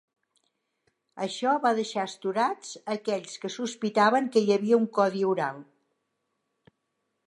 Això va deixar estorats aquells que sospitaven que hi havia un codi oral.